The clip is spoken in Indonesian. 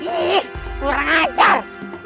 ih kurang ajar